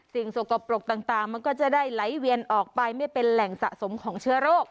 สกปรกต่างมันก็จะได้ไหลเวียนออกไปไม่เป็นแหล่งสะสมของเชื้อโรค